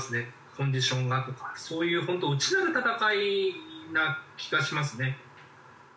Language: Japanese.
コンディションだとかそういう本当内なる戦いな気がしますね。